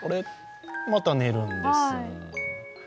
また寝るんです。